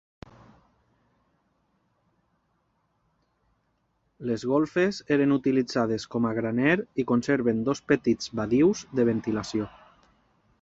Les golfes eren utilitzades com a graner i conserven dos petits badius de ventilació.